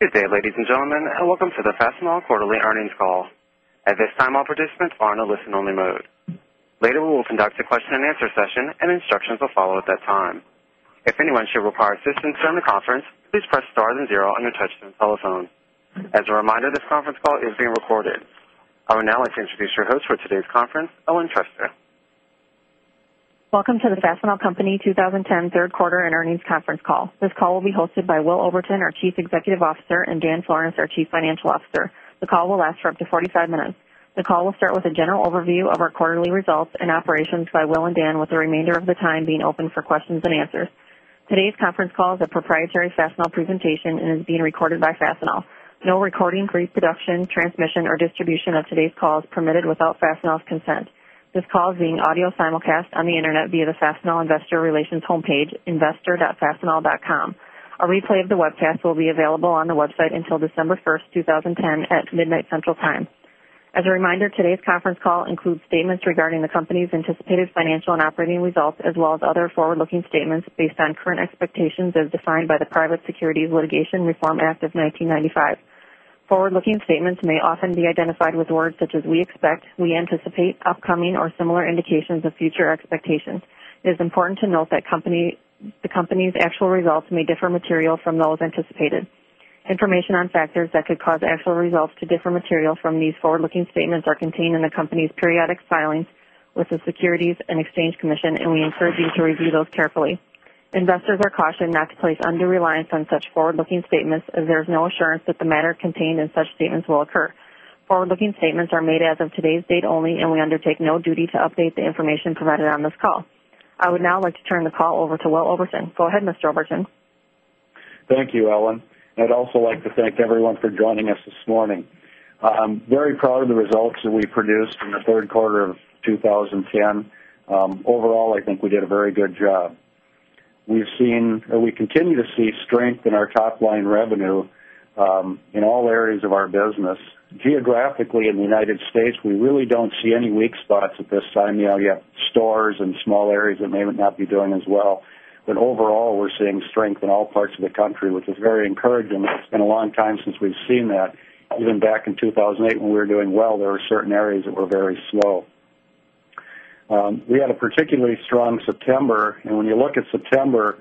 Day, ladies and gentlemen, and welcome to the Fastenal Quarterly Earnings Call. At this time, all participants are in a listen only mode. Later, we will conduct a question and answer session and instructions will follow at that time. As a reminder, this conference call is being recorded. I would now like to introduce your host for today's conference, Ellen Treaster. Welcome to the Fastenal Company 20 10 Third Quarter and Earnings Conference Call. This call will be hosted by Will Overton, our Chief Executive Officer and Dan Flores, our Chief Financial Officer. The call will last for up to 45 minutes. The call will start with a general overview of our quarterly results and operations by Will and Dan with the remainder of the time being open for questions and answers. Today's conference call is a proprietary Fastenal presentation and is being recorded by Fastenal. No recording, pre production, transmission or distribution of today's call is permitted without Fastenal's consent. This call is being audio simulcast on the Internet via the Fastenal Investor Relations homepage, investor. Fastenal.com. A replay of the webcast will be available on the site until December 1, 2010 at midnight Central Time. As a reminder, today's conference call includes statements regarding the company's anticipated financial and operating results as well as other forward looking statements based on current expectations as defined by the Private Securities Litigation Reform Act of 1995. Forward looking statements may often be identified with words such as we expect, we anticipate, upcoming or similar indications of future expectations. It is important to note that the company's actual results may differ materially from those anticipated. Information on factors that could cause actual results to differ materially from these forward looking statements are contained in the company's periodic filings with the Securities and Exchange Commission, and we encourage you to review those carefully. Investors are cautioned not to place undue reliance on such forward looking statements as there is no assurance that the matter contained in such statements will occur. Forward looking statements are made as of today's date only and we undertake no duty to update the information provided on this call. I would now like to turn the call over to Will Overton. Go ahead, Mr. Overton. Thank you, Ellen. I'd also like to thank everyone for joining us this morning. I'm very proud of the results that we produced in the Q3 of 2010. Overall, I think we did a very good job. We've seen we continue to see strength in our top line revenue in all areas of our business. Geographically in the United States, we really don't see any weak spots at this time. We have stores and small areas that may not be doing as well. But overall, we're seeing strength in all parts of the country, which is very encouraging. It's been a long time since we've seen that. Even back in 2008 when we were doing well, there were certain areas that were very slow. We had a particularly strong September. And when you look at September,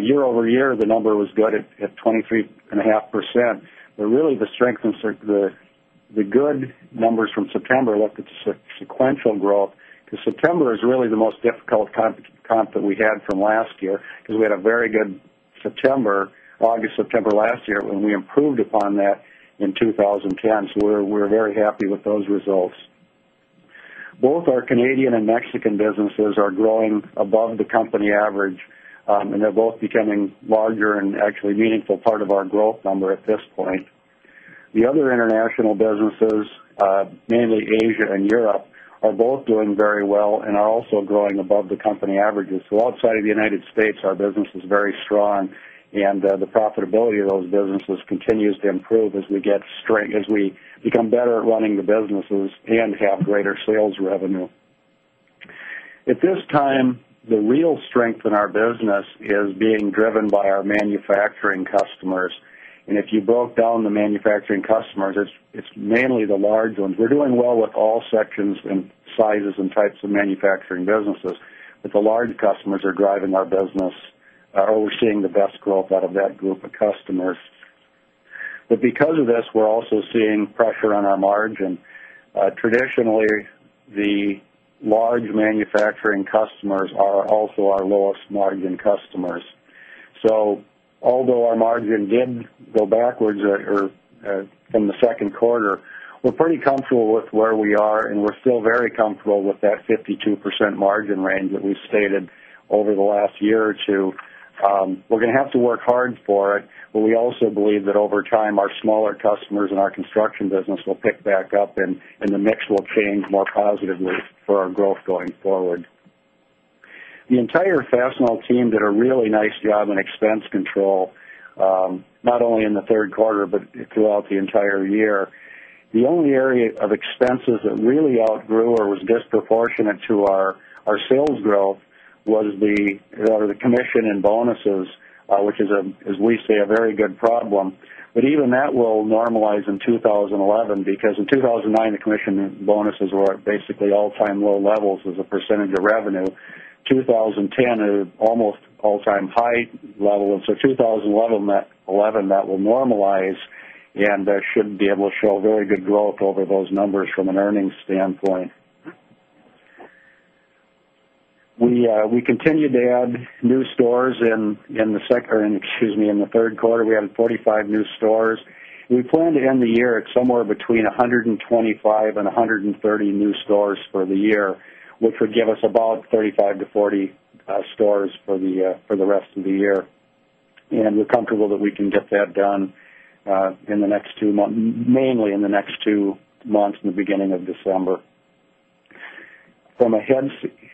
year over year the number was good at 23.5%. But really the strength in the good numbers from September looked at sequential growth, because September is really the most difficult comp that we had from last year, because we had a very good September, August, September last year, when we improved upon that in 2010. So we're very happy with those results. Both our Canadian and Mexican businesses are growing above the company average and they're both becoming larger and actually meaningful part of our growth number at this point. The other international businesses, mainly Asia and Europe, are both doing very well and are also growing above the company averages. So outside of the United States, our business is very strong and the profitability of those businesses continues to improve as we get strength as we become better at running the businesses and have greater sales revenue. At this time, the real strength in our business is being driven by our manufacturing customers. And if you broke down the manufacturing customers, it's mainly the large ones. We're doing well with all sections and sizes and types of manufacturing businesses, but the large customers are driving our business are always seeing the best growth out of that group of customers. But because of this, we're also seeing pressure on our margin. Traditionally, the large manufacturing customers are also our lowest margin customers. So although our margin did go backwards from the Q2, we're pretty comfortable with where we are and we're still very comfortable with that 52% margin range that we stated over the last year or 2. We're going to have to work hard for it, but we also believe that over time our smaller customers and our construction business will pick back up and the mix will change more positively for our growth going forward. The entire Fastenal team did a really nice job in expense control, not only in the Q3, but throughout the entire year. The only area of expenses that really outgrew or was disproportionate to our sales growth was the commission and bonuses, which is as we say a very good problem. But even that will normalize in 2011, because in 2009, the commission bonuses were basically all time low levels as a percentage of revenue. 2010 is almost all time high level. And so 2011 that will normalize and should be able to show very good growth over those numbers from an earnings standpoint. We continue to add new stores in the second or excuse me, in the Q3. We had 45 new stores. We plan to end the year at somewhere between 125 130 new stores for the year, which would give us about 35 to 40 stores for the rest of the year. And we're comfortable that we can get that done in the next 2 months mainly in the next two months in the beginning of December. From a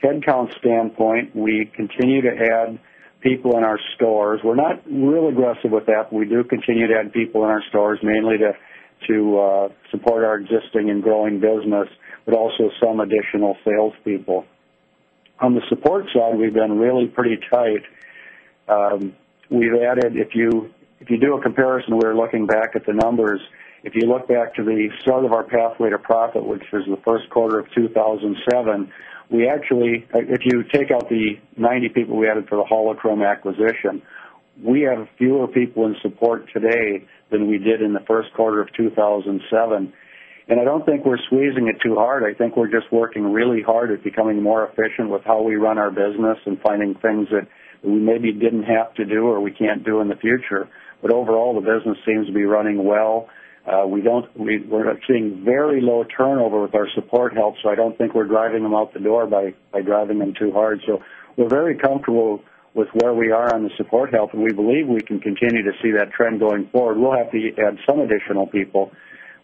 headcount standpoint, we continue to add people in our stores. We're not really aggressive with that. We do continue to add people in our stores mainly to support our existing and growing business, but also some additional salespeople. On the support side, we've been really pretty tight. We've added if you do a comparison, we're looking back at the numbers. If you look back to the start of our pathway to profit, which is the Q1 of 2,007, we actually if you take out the 90 people we added for the Holochrome acquisition, we have fewer people in support today than we did in the Q1 of 2007. And I don't think we're squeezing it too hard. I think we're just working really hard at becoming more efficient with how we run our business and finding things that we maybe didn't have to do or we can't do in the future. But overall, the business seems to be running well. We don't we're seeing very low turnover with our support health. So I don't think we're driving them out the door by driving them too hard. So we're very comfortable with where we are on the support health and we believe we can continue to see that trend going forward. We'll have to add some additional people,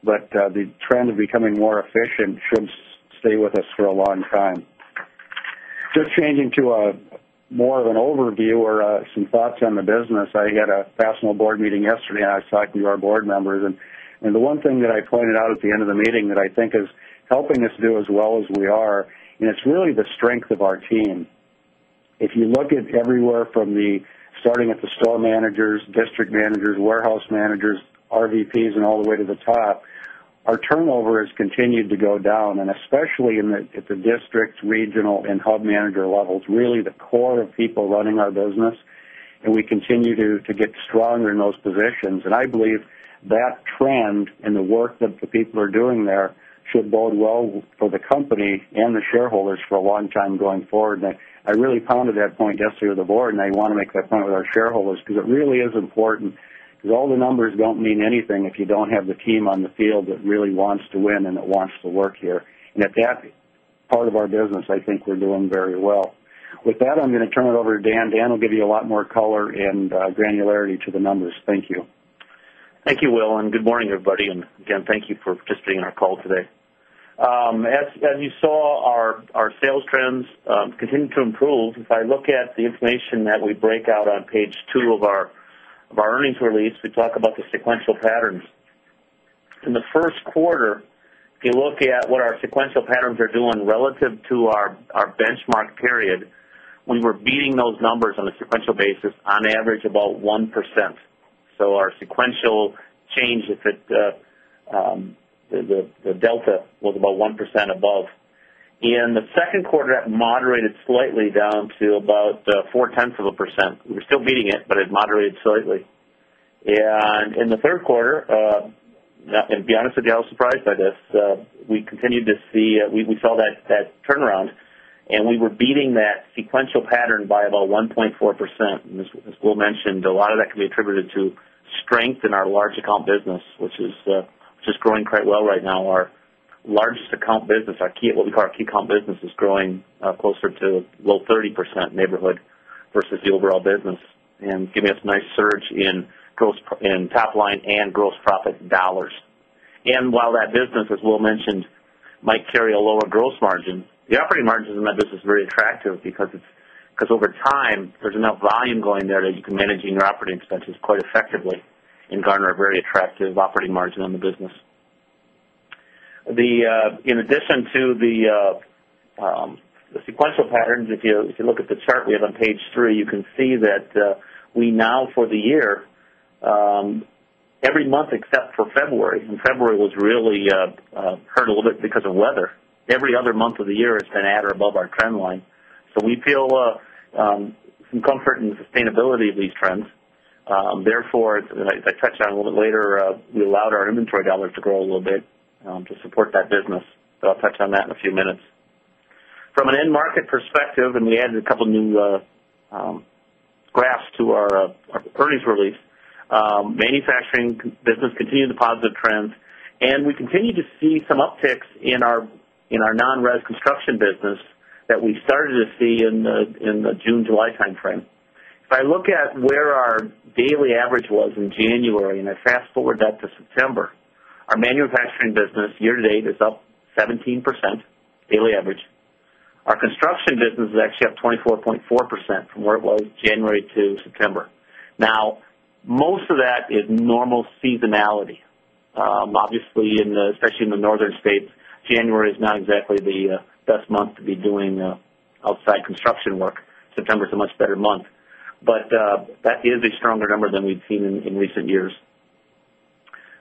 but the trend of becoming more efficient should stay with us for a long time. Just changing to more of an overview or some thoughts on the business. I had a Fastenal Board meeting yesterday and I saw 2 of our Board members. And the one thing that I pointed out at the end of the meeting that I think is helping us do as well as we are and it's really the strength of our team. If you look at everywhere from the starting at the store managers, district managers, warehouse managers, RVPs and all the way to the top, our turnover has continued to go down and especially in the district, regional and hub manager levels, really the core of people running our business and we continue to get stronger in those positions. And I believe that trend and the work that the people are doing there should bode well for the company and the shareholders for a long time going forward. And I really pounded that point yesterday with the Board and I want to make that point with our shareholders because it really is important because all the numbers don't mean anything if you don't have the team on the field that really wants to win and that wants to work here. And at that part of our business, I think we're doing very well. With that, I'm going to turn it over to Dan. Dan will give you a lot more color and granularity to the numbers. Thank you. Thank you, Will, and good morning, everybody. And again, thank you for participating in our call today. As you saw, our sales trends continue to improve. If I look at the information that we break out on Page 2 of our earnings release, we talk about the sequential patterns. In the Q1, if you look at what our sequential patterns are doing relative to our benchmark period, we were beating those numbers on a sequential basis on average about 1%. So our sequential change the delta was about 1% above. In the 2nd quarter, that moderated slightly down to about 4 10ths of 1%. We're still beating it, but it moderated slightly. And in the Q3, to be honest with you, I was surprised by this, we continued to see we saw that turnaround and we were beating that sequential pattern by about 1.4%. And as Will mentioned, a lot of that can be attributed to strength in our large account business, which is just growing quite well right now. Our largest account business, our key what we call our key account business is growing closer to low 30% neighborhood versus the overall business and giving us a nice surge in top line and gross profit dollars. And while that business, as Will mentioned, might carry a lower gross margin, the operating margins in that business is very attractive, because over time, there's enough volume going there that you can manage in your operating expenses quite effectively and garner a very attractive operating margin on the business. The in addition to the sequential patterns, if you look at the chart we have on Page 3, you can see that we now for the year, every month except for February, February was really hurt a little bit because of weather. Every other month of the year has been at or above our trend line. So we feel some comfort in sustainability of these trends. Therefore, as I touch on a little bit later, we allowed our inventory dollars to grow a little bit to support that business. So I'll touch on that in a few minutes. From an end market perspective and we added a couple of new graphs to our earnings release, Manufacturing business continued the positive trends and we continue to see some upticks in our non res construction business that we started to see in the June, July timeframe. If I look at where our daily average was in January and I fast forward that to September, our manufacturing business year to date is up 17% daily average. Our construction business is actually up 24.4% from where it was January to September. Now most of that is normal seasonality. Obviously, especially in the Northern States, January is not exactly the best month to be doing outside construction work. September is a much better month. But that is a stronger number than we've seen in recent years.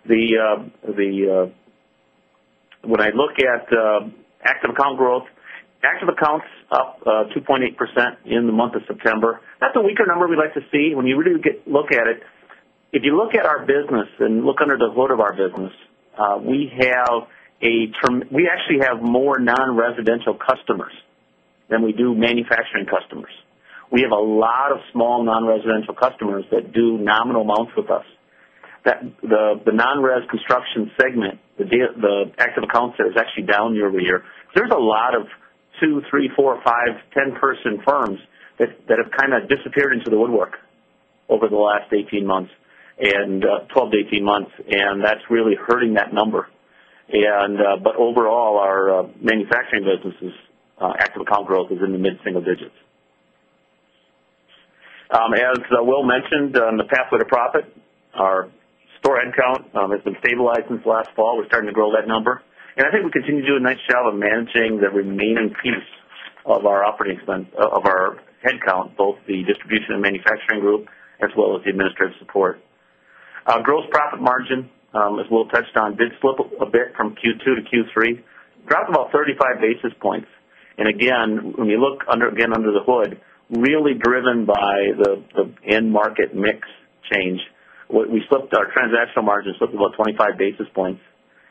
The when I look at active account growth, active accounts up 2.8% in the month of September. That's a weaker number we'd like to see. When you really look at it, If you look at our business and look under the hood of our business, we have a we actually have more non residential customers than we do manufacturing customers. We have a lot of small non residential customers that do nominal amounts with us. The non res construction segment, the active accounts there is actually down year over year. There's a lot of 2, 3, 4, 5, 10 person firms that have kind of disappeared into the woodwork over the last 18 months and 12 to 18 months and that's really hurting that number. And but overall, our manufacturing businesses' active account growth is in the mid single digits. As Will mentioned, on the pathway to profit, our store headcount has been stabilized since last fall. We're starting to grow that number. And I think we continue to do a nice job of managing the remaining piece of our operating expense of our headcount, both the distribution and manufacturing group as well as the administrative support. Gross profit margin, as Will touched on, did slip a bit from Q2 to Q3, dropped about 35 basis points. And again, when you look under again under the hood, really driven by the end market mix change, We slipped our transactional margins up about 25 basis points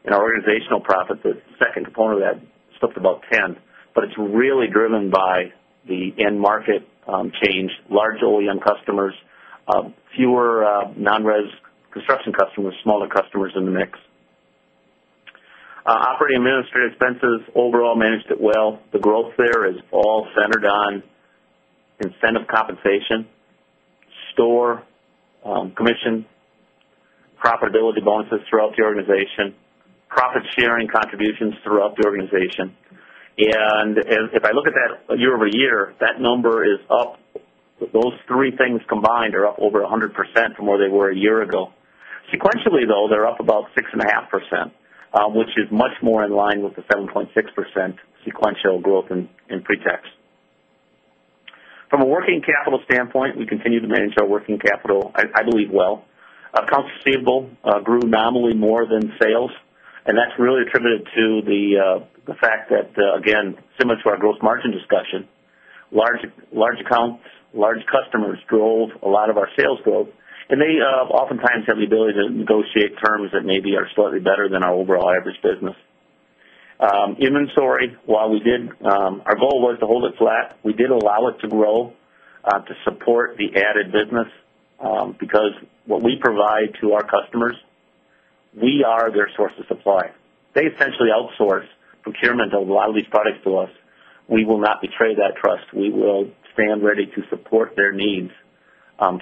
and our organizational profit the second component of that slipped about 10 basis points, but it's really driven by the end market change, large OEM customers, fewer non res construction customers, smaller customers in the mix. Operating and administrative expenses overall managed it well. The growth there is all centered on incentive compensation, store commission, profitability bonuses throughout the organization, profit sharing contributions throughout the organization. And if I look at that year over year, that number is up. Those three things combined are up over 100% from where they were a year ago. Sequentially though, they're up about 6.5%, which is much more in line with the 7.6% sequential growth in pretax. From a working capital standpoint, we continue to manage our working capital, I believe, well. Accounts receivable grew nominally more than sales and that's really attributed to the fact that again similar to our gross margin discussion, large accounts, large customers drove a lot of our sales growth and they oftentimes have the ability to negotiate terms that maybe are slightly better than our overall average business. Inventory, while we did our goal was to hold it flat, we did allow it to grow to support the added business, because what we provide to our customers, we are their source of supply. They essentially outsource procurement of a lot of these products to us. We will not betray that trust. We will stand ready to support their needs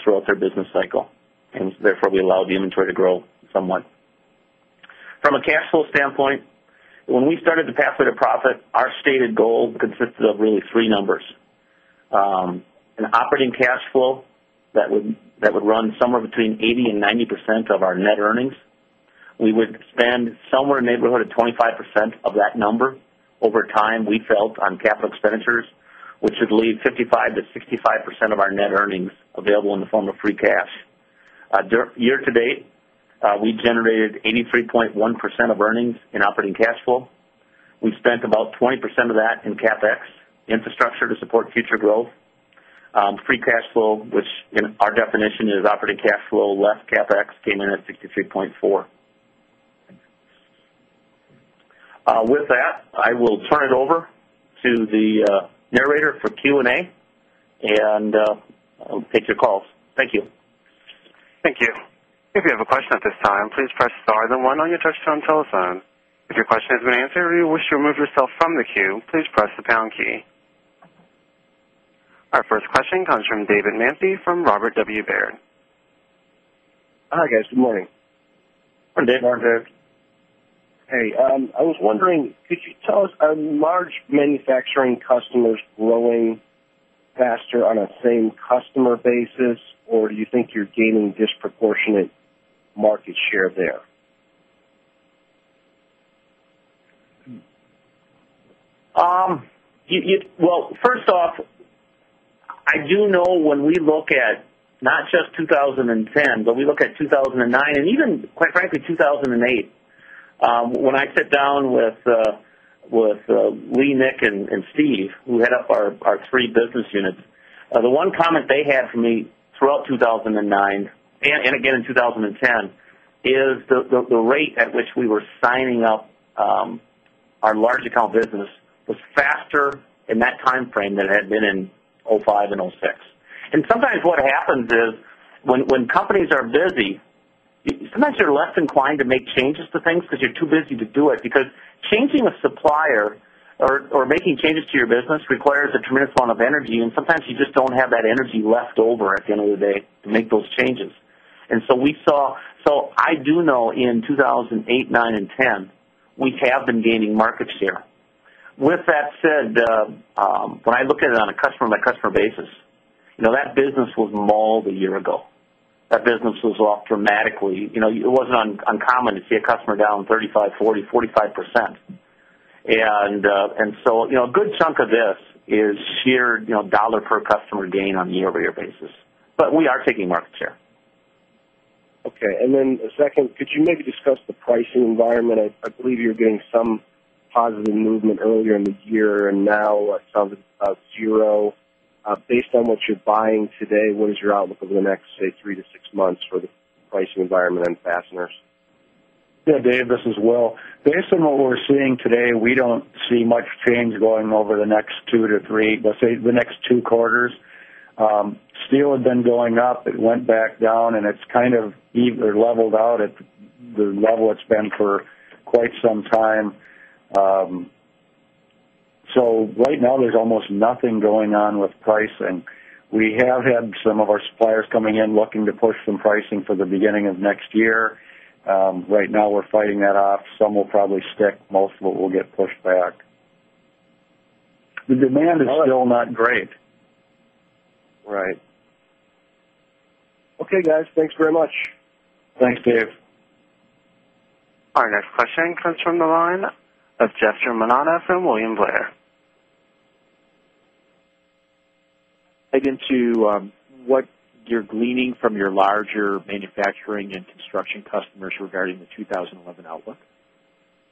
throughout their business cycle. And therefore, we allowed the inventory to grow somewhat. From a cash flow standpoint, when we started the path to profit, our stated goal consisted of really three numbers. An operating cash flow that would run somewhere between 80% 90% of our net earnings. We would spend somewhere in the neighborhood of 25% of that number over time we felt on capital expenditures, which should leave 55% to 65% of our net earnings available in the form of free cash. Year to date, we generated 83.1 percent of earnings in operating cash flow. We spent about 20% of that in CapEx infrastructure to support future growth. Free cash flow, which in our definition is operating cash flow less CapEx came in at 63.4 percent. With that, I will turn it over to the narrator for Q and A and I'll take your calls. Thank you. Thank Our first question comes from David Manthey from Robert W. Baird. Hi, guys. Good morning. Good morning, David. Good morning, David. Hey. I was wondering, could you tell us are large manufacturing customers growing faster on a same customer basis? Or do you think you're gaining disproportionate market share there? Well, first off, I do know when we look at not just 2010, but we look at 2,009 and even quite frankly 2,008. When I sit down with Lee, Nick and Steve, who head up our 3 business units, the one comment they had for me throughout 2,009 and again in 2010 is the rate at which we were signing up our large account business was faster in that time frame than it had been in 2005 and 2006. And sometimes what happens is when companies are busy, sometimes you're less inclined to make changes to things because you're too busy to do it because changing a supplier or making changes to your business requires a tremendous amount of energy and sometimes you just don't have that energy left over at the end of the day to make those changes. And so we saw so I do know in 2,008, 2009 and 2010, we have been gaining market share. With that said, when I look at it on a customer by customer basis, that business was mauled a year ago. That business was off dramatically. It wasn't uncommon to see a customer down 35%, 40%, 45%. And so a good chunk of this is sheer dollar per customer gain on a year over year basis. But we are taking market share. Okay. And then the second, could you maybe discuss the pricing environment? I believe you're getting some positive movement earlier in the year and now it sounds like 0. Based on what you're buying today, what is your outlook over the next say 3 to 6 months for the pricing environment on fasteners? Yes, Dave, this is Will. Based on what we're seeing today, we don't see much change going over the next 2 to 3 let's say the next 2 quarters. Steel has been going up. It went back down and it's kind of leveled out at the level it's been for quite some time. So right now, there's almost nothing going on with pricing. We have had some of our suppliers coming in looking to push some pricing for the beginning of next year. Right now, we're fighting that off. Some will probably stick. Most of it will get pushed back. The demand is still not great. Right. Okay, guys. Thanks very much. Thanks, Dave. Our next question comes from the line of Jester Manana from William Blair. Again, to what you're gleaning from your larger manufacturing and construction customers regarding the 2011 outlook?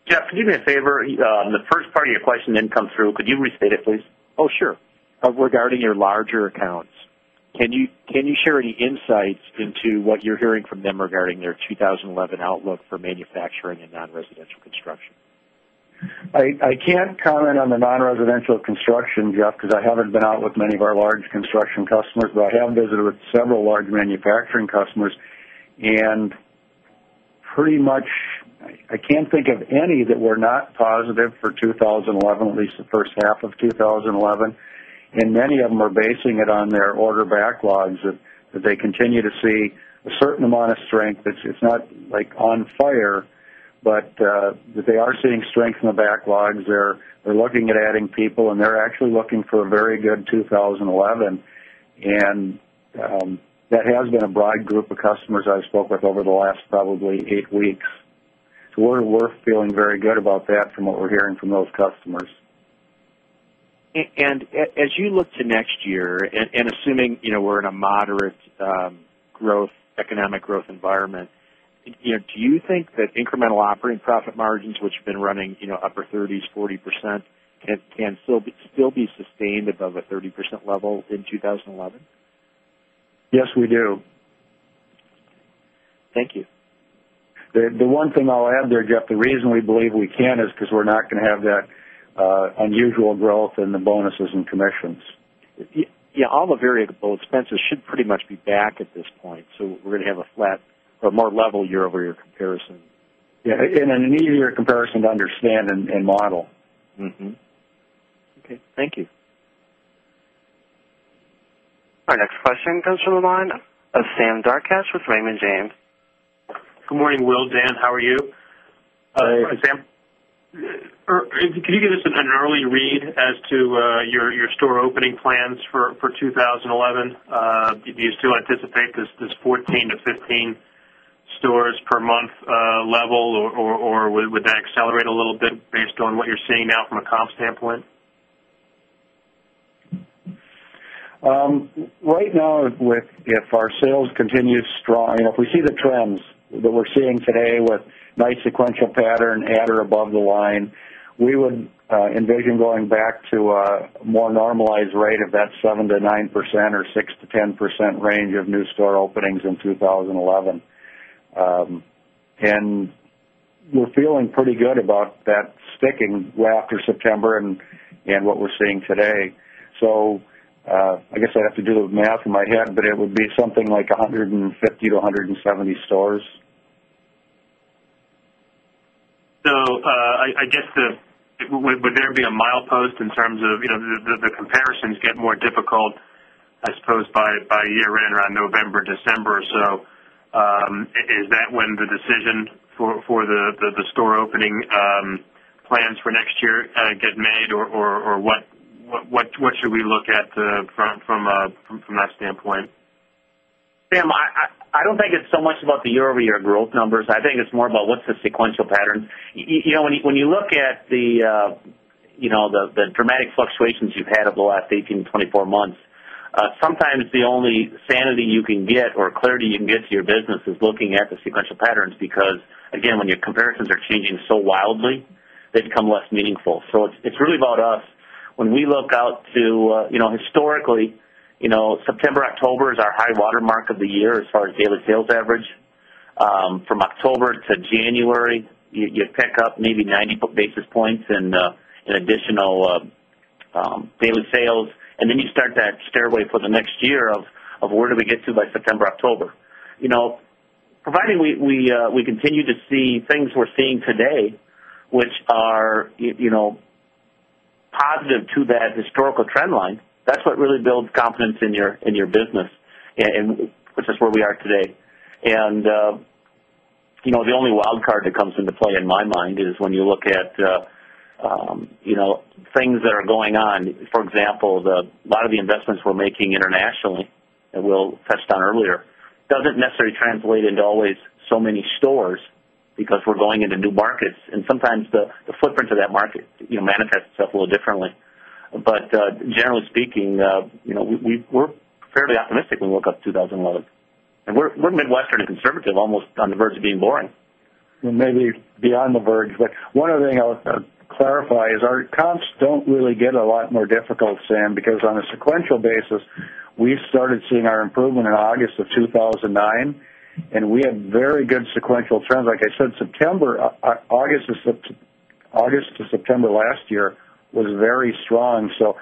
Jeff, can you do me a favor? The first part of your question then come through. Could you restate it please? Oh, sure. Regarding your larger accounts, can you share any insights into what you're hearing from them regarding their 2011 outlook for manufacturing and non residential construction? I can't comment on the non residential construction, Jeff, because I haven't been out with many of our large construction customers, but I have visited with several large manufacturing customers. And pretty much I can't think of any that were not positive for 2011, at least the first half of twenty eleven. And many of them are basing it on their order backlogs that they continue to see a certain amount of strength. It's not like on fire, but they are seeing strength in the backlogs. They're looking at adding people and they're actually looking for a very good 2011. And that has been a broad group of customers I spoke with over the last probably 8 weeks. So we're feeling very good about that from what we're hearing from those customers. And as you look to next year and assuming we're in a moderate growth economic growth environment, Do you think that incremental operating profit margins which have been running upper 30s 40% can still be 11? Yes, we do. Thank you. The one thing I'll add there, Jeff, the reason we believe we can is because we're not going to have that unusual growth in the bonuses and commissions. Yes. All the variable expenses should pretty much be back at this point. So we're going to have a flat or more level year over year comparison. Yes. And an easier comparison to understand and model. Okay. Thank you. Our next question comes from the line of Sam Darkatsh with Raymond James. Good morning, Will, Dan. How are you? Hi. Sam. Can you give us an early read as to your store opening plans for 2011? You still anticipate this 14 to 15 stores per month level? Or would that accelerate a little bit based on what you're seeing now from a comp standpoint? Right now with if our sales continue strong if we see the trends that we're seeing today with nice sequential pattern atorabovetheline, we would envision going back to a more normalized rate of that 7% to 9% or 6% to 10% range of new store openings in 2011. And we're feeling pretty good about that sticking right after September and what we're seeing today. So I guess I have to do the math in my head, but it would be something like 150 to 170 stores. So I guess, would there be a milepost in terms of the comparisons get more difficult, I suppose, by year end around November, December. So is that when the decision for the store opening plans for next year get made? Or what should we look at from that standpoint? Sam, I don't think it's so much about the year over year growth numbers. I think it's more about what's the sequential pattern. When you look at the dramatic fluctuations you've had over the last 18 months to 24 months, sometimes the only sanity you can get or clarity you can get to your business is looking at the sequential patterns because again when your comparisons are changing so wildly, they become less meaningful. So it's really about us. When we look out to historically, September, October is our high watermark of the year as far as daily sales average. From October to January, you pick up maybe 90 basis points in additional daily sales. And then you start that stairway for the next year of where do we get to by September, October. Providing we continue to see things we're seeing today, which are positive to that historical trend line, that's what really builds confidence in your business and which is where we are today. And the only wildcard that comes into play in my mind is when you look at things that are going on, for example, a lot of the investments we're making internationally that Will touched on earlier, doesn't necessarily translate into always so many stores because we're going into new markets and sometimes the footprint of that market manifests itself a little differently. But generally speaking, we're fairly optimistic when we woke up 2011. And we're Midwestern and conservative almost on the verge of being boring. Maybe beyond the verge. But one other thing I would clarify is our comps don't really get a lot more difficult Sam because on a sequential basis, we started seeing our improvement in August of 2,009 and we had very good sequential trends. Like I said, September August to September last year was very strong. So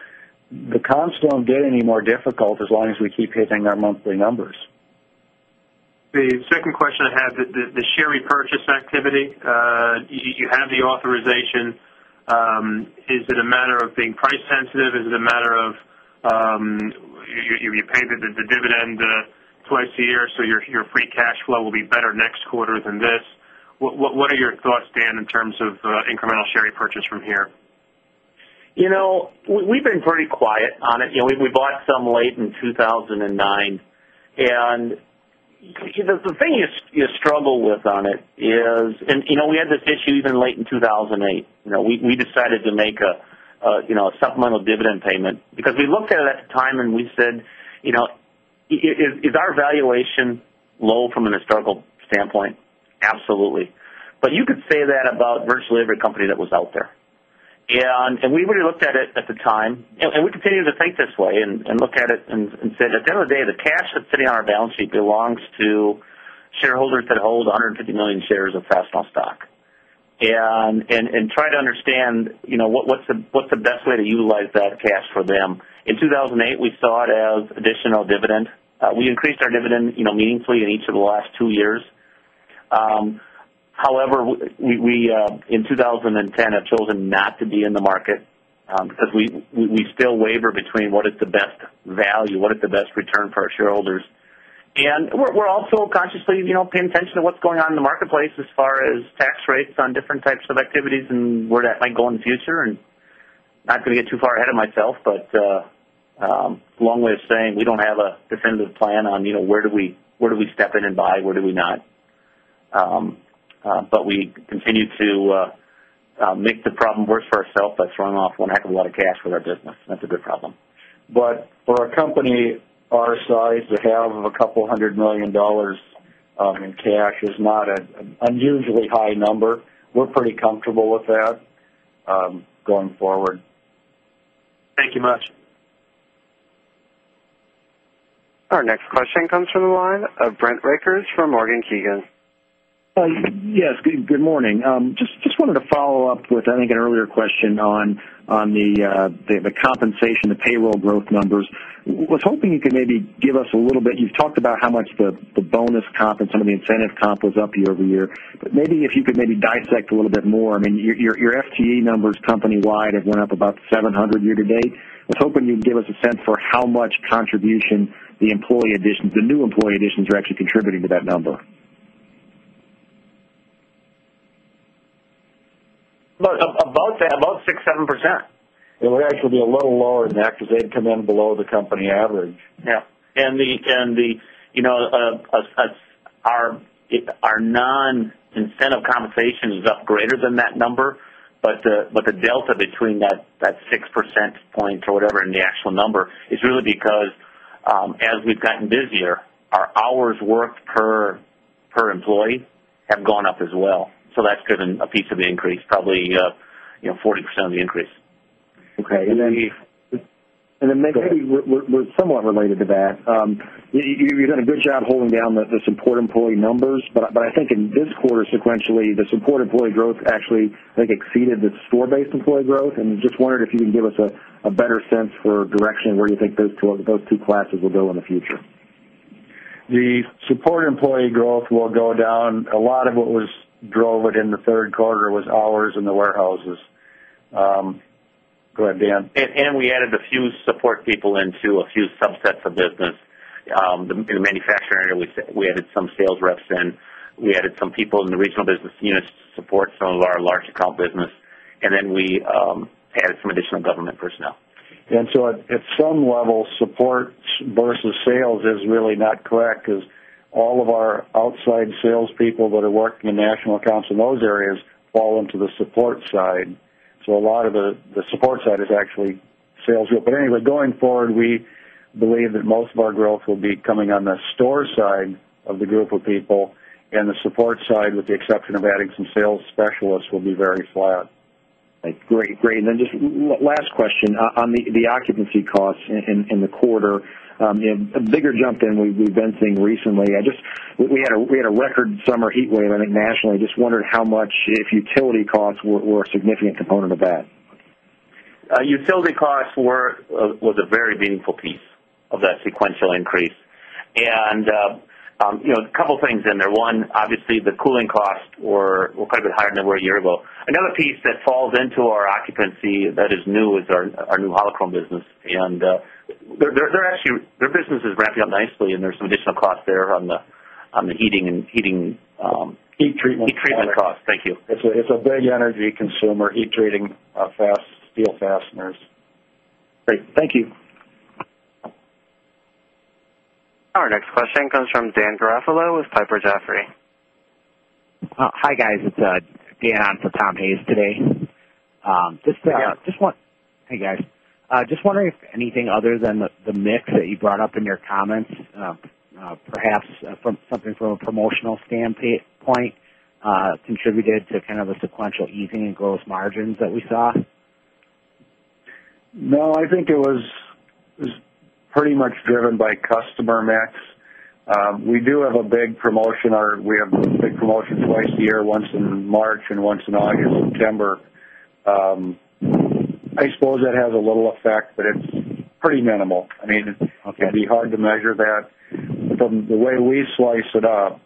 the comps don't get any more difficult as long as we keep hitting our monthly numbers. The second question I had, the share repurchase activity, you have the authorization. Is it a matter of being price sensitive? Is it a matter of you pay the dividend twice a year, so your free cash flow will be better next quarter than this. What are your thoughts, Dan, in terms of incremental share repurchase from here? We've been pretty quiet on it. We bought some late in 2,009. And the thing you struggle with on it is and we had this issue even late in 2008. We decided to make a supplemental dividend payment because we looked at it at the time and we said, is our valuation low from an historical standpoint? Absolutely. But you could say that about virtually every company that was out there. And we really looked at it at the time. And we continue to think this way and look at it and say that at the end of the day, the cash that's sitting on our balance sheet belongs to shareholders that hold 150,000,000 shares of Fastenal stock and try to understand what's the best way to utilize that cash for them. In 2008, we saw it as additional dividend. We increased our dividend meaningfully in each of the last 2 years. However, we in 2010 have chosen not to be in the market, because we still waiver between what is the best value, what is the best return for our shareholders. And we're also consciously paying attention to what's going on in the marketplace as far as tax rates on different types of activities and where that might go in the future. And not going to get too far ahead of myself, but long way of saying we don't have a definitive plan on where do we step in and buy, where do we not. But we continue to make the problem worse for ourselves that's run off one heck of a lot of cash with our business. That's a good problem. But for a company our size to have a couple of $100,000,000 in cash is not an unusually high number. We're pretty comfortable with that going forward. Thank you much. Our next question comes from the line of Brent Rakers from Morgan Keegan. Just wanted to follow-up with, I think, an earlier question on the compensation, the payroll growth numbers. I was hoping you could maybe give us a little bit you've talked about how much the bonus comp and some of the incentive comp was up year over year. But maybe if you could maybe dissect a little bit more, I mean your FTE numbers company wide have went up about 700 year to date. I was hoping you'd give us a sense for how much contribution the employee additions the new employee additions are actually contributing to that number. Look, above 6%, 7%. It would actually be a little lower than that because they'd come in below the company average. Yes. And the our non incentive compensation is up greater than that number, but the delta between that 6% point or whatever in the actual number is really because, as we've gotten busier, our hours worked per employee have gone up as well. So that's given a piece of the increase, probably 40% of the increase. Okay. And then maybe somewhat related to that. You've done a good job holding down the support employee numbers. But I think in this quarter sequentially, the support employee growth actually exceeded the store based employee growth. And just wondered if you can give us a better sense for direction where you think those two classes will go in the future. The support employee growth will go down. A lot of what was drove it in the Q3 was ours in the warehouses. Go ahead, Dan. And we added a few support people into a few subsets of business. Area, we added some sales reps in. We added some people in the regional business units to support some of our large account business. And then we added some additional government personnel. And so at some level support versus sales is really not correct as all of our outside sales people that are work in national accounts in those areas fall into the support side. So a lot of the support side is actually sales growth. But anyway, going forward, we believe that most of our growth will be coming on the store side of the group of people and the support side with the exception of adding some sales specialists will be very flat. Great. Great. And then just last question on the occupancy costs in the quarter. A bigger jump in we've been seeing recently. I just we had a record summer heat wave, I think, nationally. Just wondered how much if utility costs were a significant component of that? Utility costs were a very meaningful piece of that sequential increase. And a couple of things in there. 1, obviously, the cooling costs were quite a bit higher than we were a year ago. Another piece that falls into our occupancy that is new is our new Holochrome business. And they're actually their business is ramping up nicely and there's some additional costs there on the heating Heat treatment. Heat treatment cost. Thank you. It's a big energy consumer heat treating fast steel fasteners. Great. Thank you. Our next question comes from Dan Garafalo with Piper Jaffray. Hi, guys. It's Dan on for Tom Hayes today. Hi, guys. Hi, guys. Just wondering if anything other than the mix that you brought up in your comments perhaps something from a promotional standpoint contributed to kind of a sequential easing in gross margins that we saw? No. I think it was pretty much driven by customer mix. We do have a big promotion or we have big promotion twice a year, once in March and once in August, September. I suppose that has a little effect, but it's pretty minimal. I mean it can be hard to measure that. But the way we slice it up,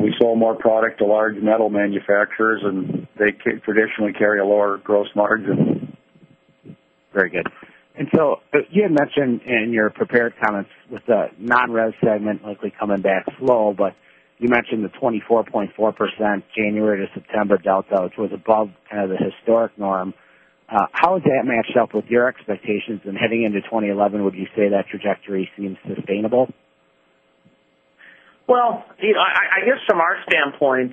we sold more product to large metal manufacturers and they traditionally carry a lower gross margin. Very good. And so you had mentioned in your prepared comments with the non res segment likely coming back slow, but you mentioned the 24.4 percent January to September delta, which was above kind of the historic norm. How has that matched up with your expectations? And heading into 2011, would you say that trajectory seems sustainable? Well, I guess from our standpoint,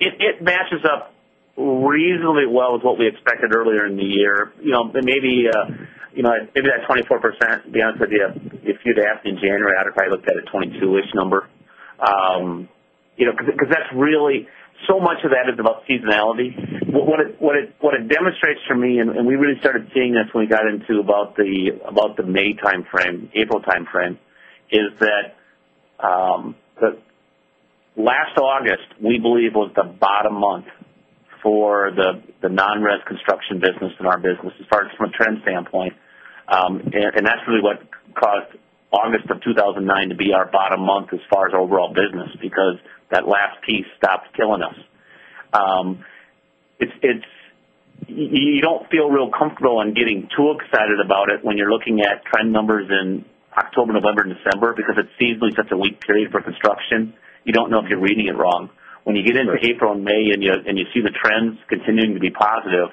it matches up reasonably well with what we expected earlier in the year. And maybe that 24% to be honest with you, if you'd asked in January, I'd probably look at a 22 ish number. Because that's really so much of that is about seasonality. What it demonstrates for me and we really started seeing this when we got into about the May time frame, April time frame is that last August, we believe was the bottom month for the non res construction business in our business as far as from a trend standpoint. And that's really what caused August of 2,009 to be our bottom month as far as overall business because that last piece stopped killing us. It's you don't feel real comfortable on getting too excited about it when you're looking at trend numbers in October, November December because it seasonally sets a weak period for construction. You don't know if you're reading it wrong. When you get into April May and you see the trends continuing to be positive,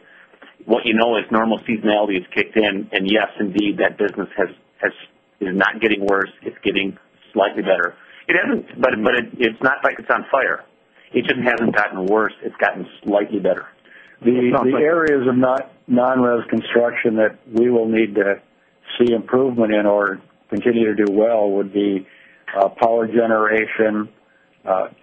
what you know is normal seasonality has kicked in and yes indeed that business has is not getting worse. It's getting slightly better. It hasn't but it's not like it's on fire. It just hasn't gotten worse. It's gotten slightly better. The areas of non res construction that we will need to see improvement in or continue to do well would be power generation,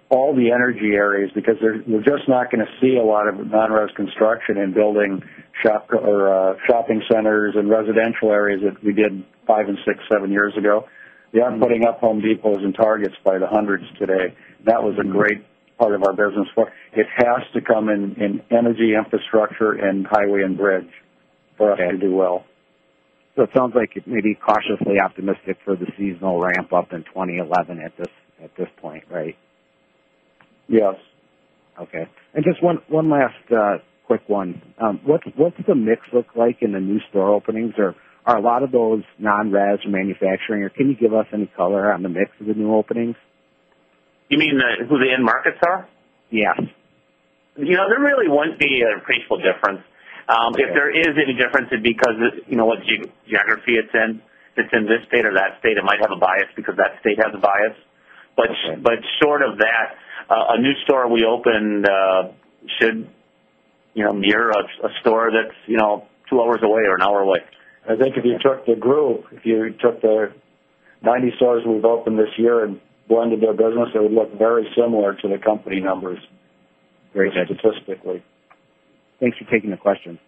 all the energy areas because we're just not going to see a lot of non res construction and building shop or shopping centers and residential areas that we did 5, 6, 7 years ago. We are putting up Home Depots and Targets by the 100 today. That was a great part of our business. But it has to come in energy infrastructure and highway and bridge for us to do well. So it sounds like you may be cautiously optimistic for the seasonal ramp up in 2011 at this point, right? Yes. Okay. And just one last quick one. What does the mix look like in the new store openings? Or are a lot of those non res or manufacturing? Or can you give us any color on the mix of the new openings? You mean who the end markets are? Yes. There really won't be an appreciable difference. If there is any difference, it's because of what geography it's in. It's in this state or that state. It might have a bias because that state has a bias. But short of that, a new store we opened should mirror a store that's 2 hours away or an hour away. I think if you took the group, if you took the 90 stores we've opened this year and blended their business, it would look very similar to the company numbers very statistically. Thanks for taking the question.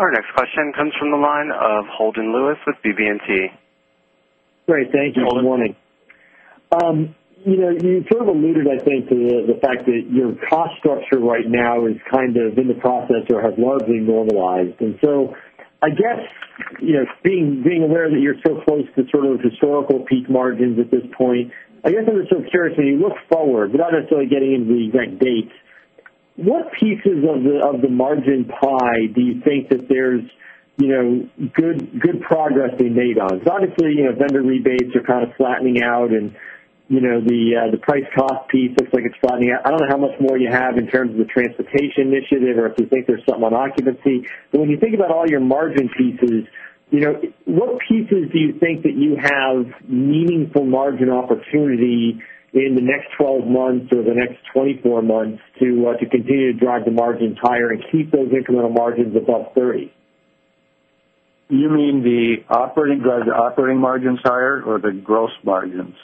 Our next question comes from the line of Holden Lewis with BB and T. Great. Thank you. Good morning. You sort of alluded I think to the fact that your cost structure right now is kind of in the process or has largely normalized. And so I guess being aware that you're so close to sort of historical peak margins at this point, I guess I was just curious when you look forward without necessarily getting into the event dates, what pieces of the margin pie do you think that there good progress they made on? So obviously vendor rebates are kind of flattening out and the price cost piece looks like it's flattening. Don't know how much more you have in terms of the transportation initiative or if you think there's some on occupancy. But when you think about all your margin pieces, what pieces do you think that you have meaningful margin opportunity in the next 12 months or the next 24 months to continue to drive the margins higher and keep those incremental margins above 30%. You mean the operating drive the operating margins higher or the gross margins?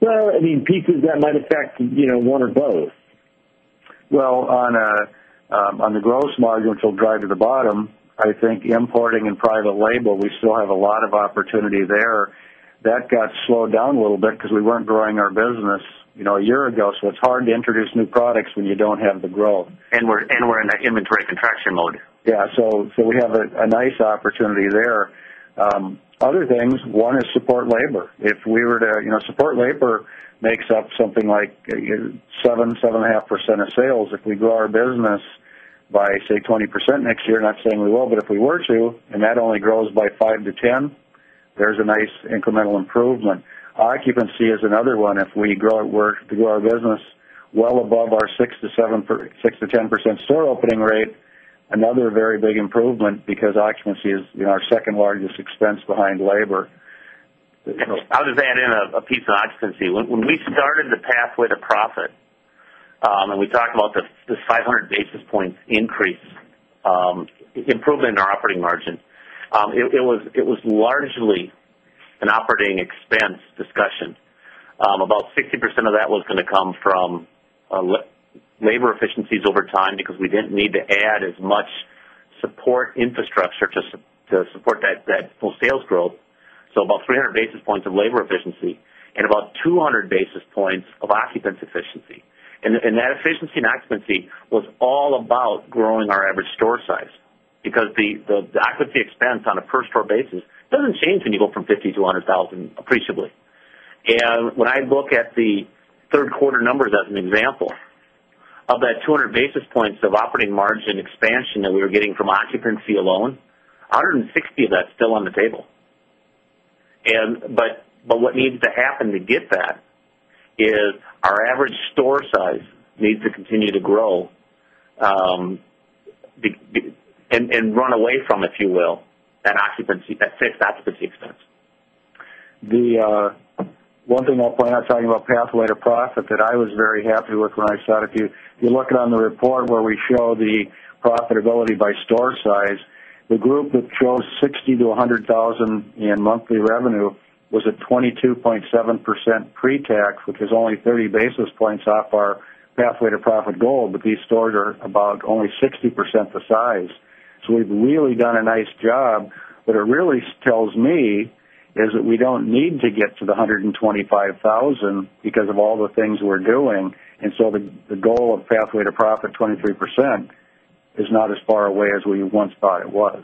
Well, I mean pieces that might affect 1 or both. Well, on the gross margin, which will drive to the bottom, I think importing and private label, we still have a lot of opportunity there. That got slowed down a little bit because we weren't growing our business a year ago. So it's hard to introduce new products when you don't have the growth. And we're in an inventory contraction mode. Yes. So we have a nice opportunity there. Other things, one is support labor. If we were to support labor makes up something like 7%, 7.5% of sales. If we grow our business by say 20% next year, not saying we will, but if we were to and that only grows by 5% to 10%, there's a nice incremental improvement. Occupancy is another one. If we grow our business well above our 6% to 10% store opening rate, another very big improvement because occupancy is our 2nd largest expense behind labor. I'll just add in a piece of occupancy. When we started the pathway to profit and we talked about this 500 basis points increase improvement in our operating margin. It was largely an operating expense discussion. About 60% of that was going to come from labor efficiencies over time because we didn't need to add as much support infrastructure to support that full sales growth. So about 300 basis points of labor efficiency and about 200 basis points of occupancy. And that efficiency and occupancy was all about growing our average store size, because the occupancy expense on a per store basis doesn't change when you go from $50,000 to $100,000 appreciably. And when I look at the 3rd quarter numbers as an example, of that 200 basis points of operating margin expansion that we were getting from occupancy alone, 160 of that is still on the table. And but what needs to happen to get that is our average store size needs to continue to grow and run away from, if you will, that occupancy that fixed occupancy expense. The one thing I'll point out, I'm talking about pathway to profit that I was very happy with when I started to do. If you look at on the report where we show the profitability by store size, the group that shows $60,000 to $100,000 in monthly revenue was at 22 point 7% pre tax, which is only 30 basis points off our pathway to profit gold, but these stores are about only 60% the size. So we've really done a nice job. What it really tells me is that we don't need to get to the $125,000 because of all the things we're doing. And so the goal of pathway to profit 23% is not as far away as we once thought it was.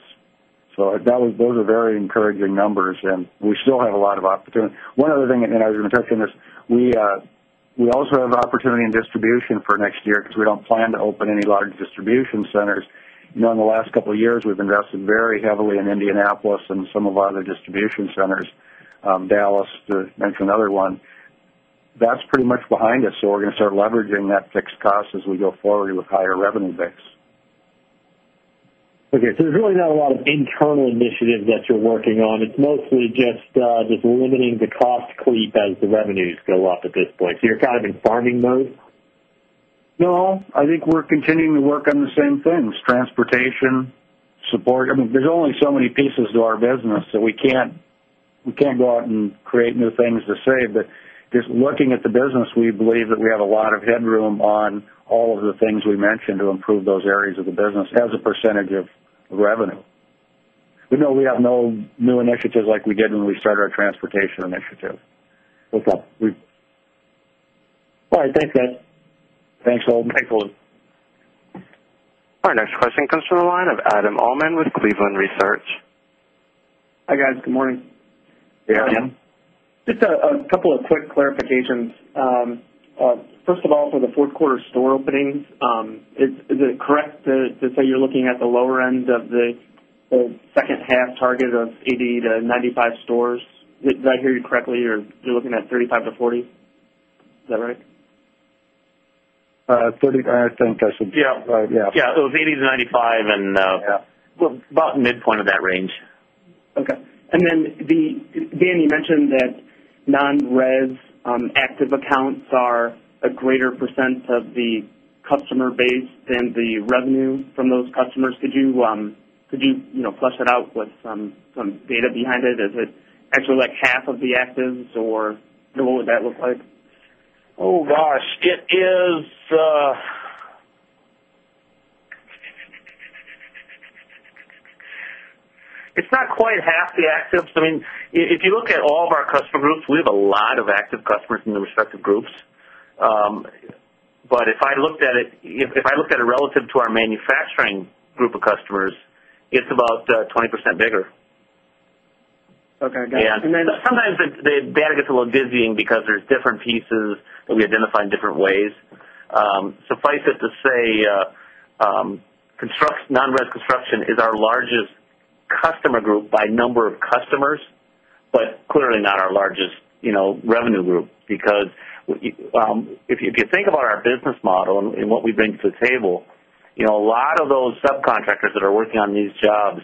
So those are very encouraging numbers and we still have a lot of opportunity. One other thing and I was going to touch on this. We also have opportunity in distribution for next year because we don't plan to open any large distribution centers. In the last couple of years, we've invested very heavily in Indianapolis and some of our other distribution centers, Dallas to mention another one. That's pretty much behind us. So we're going to start leveraging that fixed cost as we go forward with higher revenue base. Okay. So there's really not a lot of internal initiatives that you're working on. It's mostly just limiting the cost creep as the revenues go up at this point. So you're kind of in farming mode? No. I think we're continuing to work on the same things, transportation, support. I mean, there's only so many pieces to our business. So we can't go out and create new things to save. But just looking at the business, we believe that we have a lot of headroom on all of the things we mentioned to improve those areas of the business as a percentage of revenue. We know we have no new initiatives like we did when we started our transportation initiative. All right. Thanks, guys. Thanks, Holden. Thanks, Holden. Our next question comes from the line of Adam Uhlman with Cleveland Research. Hi, guys. Good morning. Hi, Adam. Just a couple of quick clarifications. First of all, for the 4th quarter store openings, is it correct to say you're looking at the lower end of the second half target of 80 to 95 stores? Did I hear you correctly? You're looking at 35 to 40. Is that right? 35, I think, I should. Yes. Right. Yes. Yes. 80% to 95% and about midpoint of that range. Okay. And then the Dan you mentioned that non res active accounts are a greater percent of the customer base than the revenue from those customers. Could you flush that out with some data behind it? Is it actually like half of the actives or what would that look like? Oh gosh, it is It's not quite half the actives. I mean, if you look at all of our customer groups, we have a lot of active customers in the respective groups. But if I looked at it relative to our manufacturing group of customers, it's about 20% bigger. Okay. Got it. Sometimes the data gets a little dizzying because there's different pieces that we identify in different ways. Suffice it to say, non res construction is our largest customer group by number of customers, but clearly not our largest revenue group. Because if you think about our business model and what we bring to the table, a lot of those subcontractors that are working on these jobs,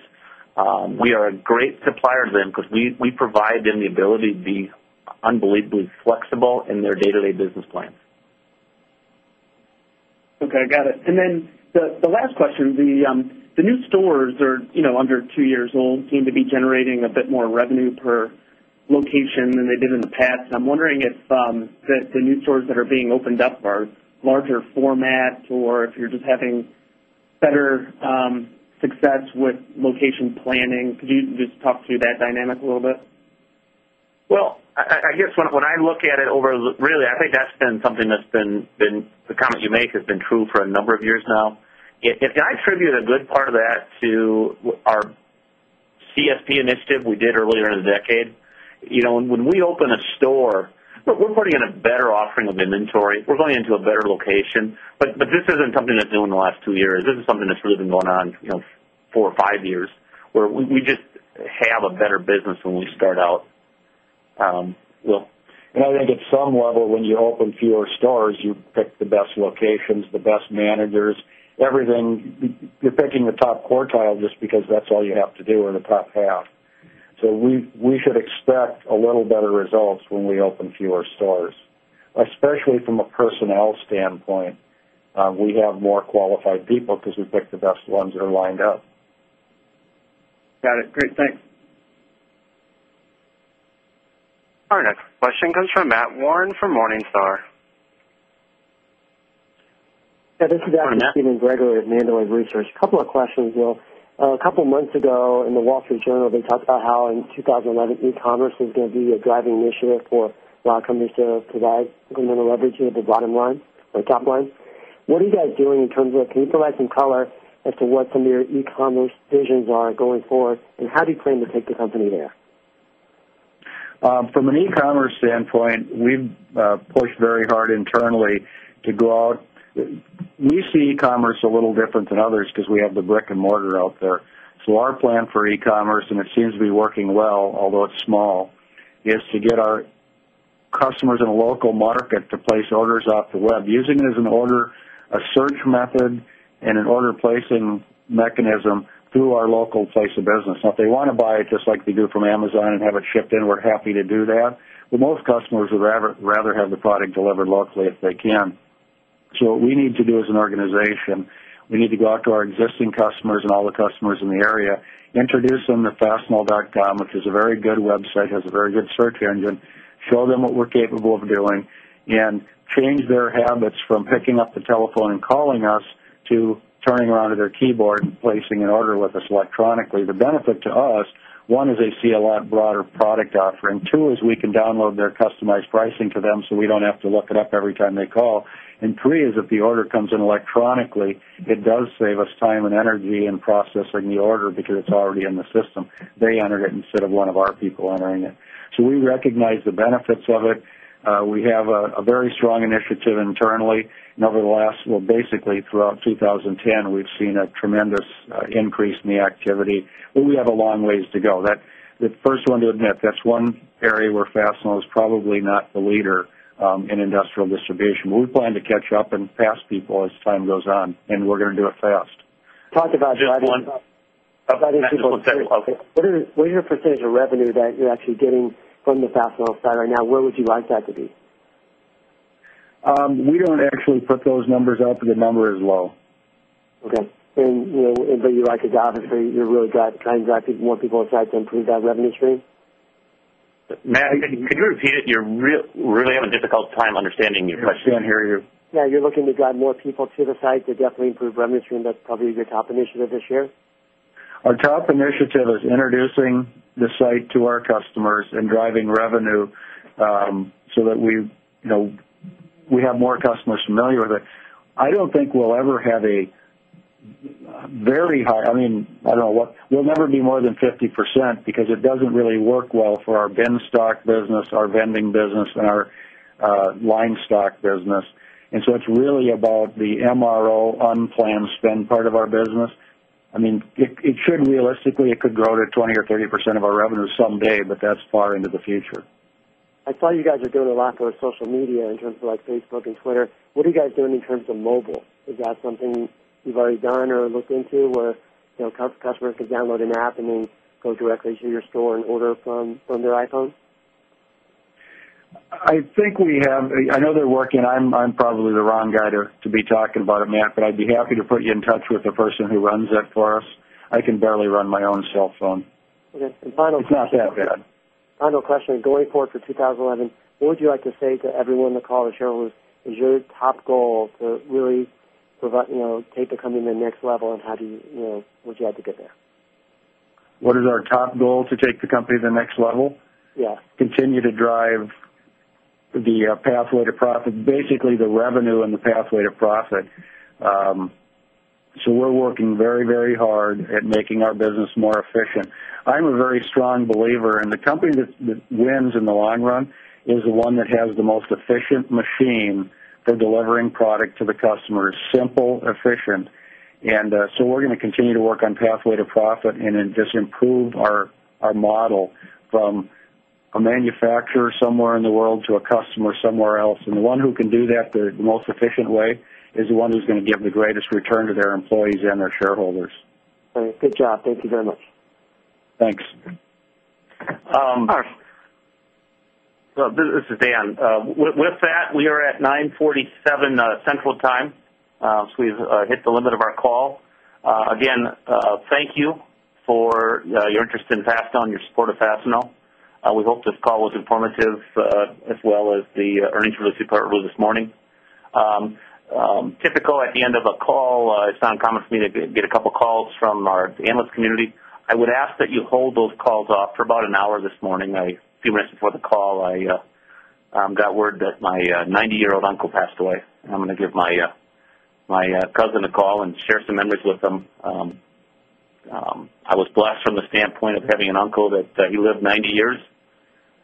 we are a great supplier to them because we provide them the ability to be unbelievably flexible in their day to day business plans. Okay. Got it. And then the last question. The new stores are under 2 years old, seem to be generating a bit more revenue per location than they did in the past. And I'm wondering if the new stores that are being opened up are larger format or if you're just having better success with location planning. Could you just talk through that dynamic a little bit? Well, I guess when I look at it over really, I think that's been something that's been the comments you make has been true for a number of years now. If I attribute a good part of that to our CSP initiative we did earlier in the decade, when we open a store, we're putting in a better offering of inventory. We're going into a better location. But this isn't something that's new in the last 2 years. This is something that's really been going on 4 or 5 years where we just have a better business when we start out, Will. And I think at some level when you open fewer stores, you pick the best locations, the best managers, everything you're picking the top quartile just because that's all you have to do or the top half. So we should expect a little better results when we open fewer stores, especially from a personnel standpoint. We have more qualified people because we pick the best ones that are lined up. Got it. Great. Thanks. Our next question comes from Matt Warren from Morningstar. This is Adam Steven Gregory with Mandroid Research. A couple of questions, Will. A couple of months ago in The Wall Street Journal, they talked about how in 2011, e commerce was going to be a driving issue for a lot of companies to provide incremental leverage at the bottom line or top line. What are you guys doing in terms of can you provide some color as to what some of your e commerce visions are going forward? And how do you plan to take the company there? From an e commerce standpoint, we've pushed very hard internally to go out. We see e commerce a little different than others because we have the brick and mortar out there. So our plan for e commerce and it seems to be working well, although it's small, is to get our customers in a local market to place orders off the web using it as an order, a search method and an order placing mechanism through our local place of business. Now if they want to buy it just like they do from Amazon and have it shipped in, we're happy to do that. But most customers would rather have the product delivered locally if they can. So what we need to do as an organization, we need to go out to our existing customers and all the customers in the area, introduce them to fastmall.com, which is a very good website, has a very good search engine, show them what we're capable of doing and change their habits from picking up the telephone and calling us to turning around to their keyboard and placing an order with us electronically. The benefit to us, 1 is they see a lot broader product offering. 2 is we can download their customized pricing to them, so we don't have to look it up every time they call. And 3 is if the order comes in electronically, it does save us time and energy in processing the order because it's already in the system. They entered it instead of one of our people entering it. So we recognize the benefits of it. We have a very strong initiative internally. Nevertheless, well, basically throughout 2010, we've seen a tremendous increase in the activity, But we have a long ways to go. The first one to admit, that's one area where Fastenal is probably not the leader industrial distribution. We plan to catch up and pass people as time goes on and we're going to do it fast. Talk about what is your percentage of revenue that you're actually getting from the Fast Mill side right now? Where would you like that to be? We don't actually put those numbers up. The number is low. Okay. And but you like it obviously you're really trying to get more people inside to improve that revenue stream? Matt, could you repeat it? You're really having a difficult time understanding your question here. Yes. You're looking to drive more people to the site to definitely improve revenue stream that's probably the top initiative this year? Our top initiative is introducing the site to our customers and driving revenue, so that we have more customers familiar with it. I don't think we'll ever have a very high I mean, I don't know what we'll never be more than 50%, because it doesn't really work well for our bin stock business, our vending business and our line stock business. And so it's really about the MRO unplanned spend part of our business. I mean it should realistically it could grow to 20% or 30% of our revenue someday, but that's far into the future. I saw you guys are doing a lot of our social media in terms of like Facebook and Twitter. What are you guys doing in terms of mobile? Is that something you've already done or looked into where customers could download an app and then go directly to your store and order from their iPhone? I think we have I know they're working. I'm probably the wrong guy to be talking about it, Matt. But I'd be happy to put you in touch with the person who runs it for us. I can barely run my own cell phone. Okay. And final Final question, going forward for 2011, what would you like to say to everyone in the call, the shareholders, is your top goal to really provide take the company to the next level? And how do you would you have to get there? What is our top goal to take the company to the next level? Yes. Continue to drive the pathway to profit basically the revenue and the pathway to profit. So we're working very, very hard at making our business more efficient. I'm a very strong believer and the company that wins in the long run is the one that has the most efficient machine for delivering product to the customers, simple, efficient. And so we're going to continue to work on pathway to profit and then just improve our model from give is the one who's going to give the greatest return to their employees and their shareholders. All right. Good job. Thank you very much. Thanks. This is Dan. With that, we are at 9:47 Central Time. So we've hit the limit of our call. Again, thank you for your interest in Fastenal and your support of Fastenal. We hope this call was informative as well as the earnings release we've probably alluded to this morning. Typical at the end of a call, it's not common for me to get a couple of calls from our analyst community. I would ask that you hold those calls off for about an hour this morning. A few minutes before the call, I got word that my 90 year old uncle passed away. And I'm going to give my cousin a call and share some memories with them. I was blessed from the standpoint of having an uncle that he lived 90 years,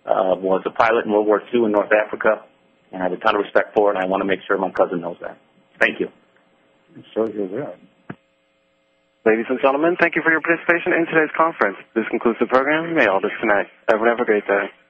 was a pilot in World War II in North Africa and I have a ton of respect for it and I want to make sure my cousin knows that. Thank you. So here we are. Ladies and gentlemen, thank you for your participation in today's conference. This concludes the program. You may all disconnect. Everyone have a great day.